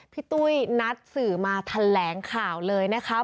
ตุ้ยนัดสื่อมาแถลงข่าวเลยนะคะ